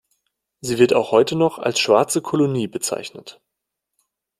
Sie wird auch heute noch als „Schwarze Kolonie“ bezeichnet.